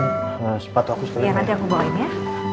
nanti aku bawain ya